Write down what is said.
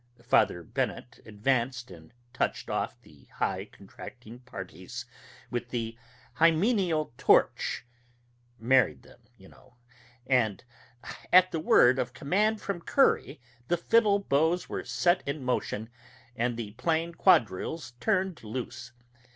Father Bennett advanced and touched off the high contracting parties with the hymeneal torch (married them, you know), and at the word of command from Curry, the fiddle bows were set in motion, and the plain quadrilles turned loose.